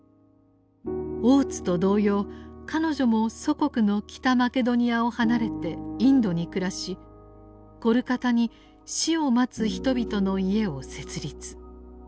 大津と同様彼女も祖国の北マケドニアを離れてインドに暮らしコルカタに「死を待つ人々の家」を設立。